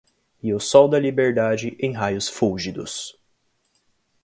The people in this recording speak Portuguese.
E o sol da Liberdade, em raios fúlgidos